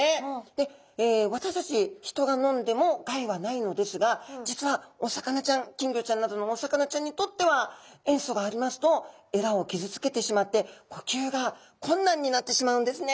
で私たち人が飲んでも害はないのですが実はお魚ちゃん金魚ちゃんなどのお魚ちゃんにとっては塩素がありますとエラを傷つけてしまって呼吸が困難になってしまうんですね。